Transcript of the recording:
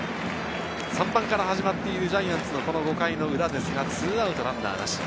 ３番から始まっているジャイアンツの５回の裏ですが、２アウトランナーなし。